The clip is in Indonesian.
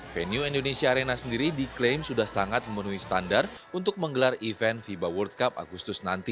venue indonesia arena sendiri diklaim sudah sangat memenuhi standar untuk menggelar event fiba world cup agustus nanti